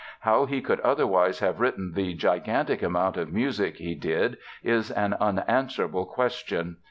How he could otherwise have written the gigantic amount of music he did is an unanswerable question.